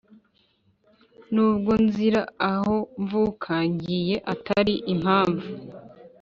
N’ubwo nzira aho mvuka Ngiye utari impamvu